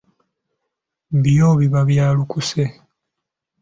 Byo biba byalukuse.